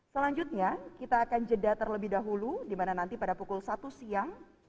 selanjutnya kita akan jeda terlebih dahulu di mana nanti pada pukul satu siang